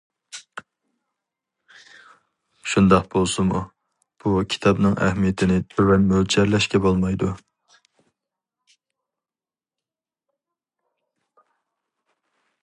شۇنداق بولسىمۇ، بۇ كىتابنىڭ ئەھمىيىتىنى تۆۋەن مۆلچەرلەشكە بولمايدۇ.